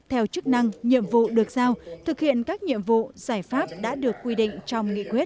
theo chức năng nhiệm vụ được giao thực hiện các nhiệm vụ giải pháp đã được quy định trong nghị quyết